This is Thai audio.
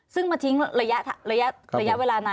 ซึ่งมาทิ้งระยะเวลานาน